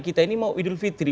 kita ini mau idul fitri